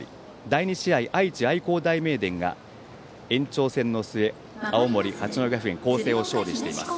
第２試合、愛知・愛工大名電が延長戦の末青森・八戸学院光星に勝利しています。